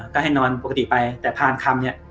ก็ให้นอนปกติไปแต่ผ่านคำเนี่ย